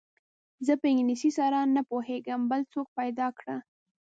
زه په انګلیسي سم نه پوهېږم بل څوک پیدا کړه.